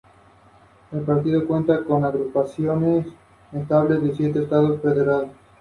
Sus padres dirigen una tienda de pintura.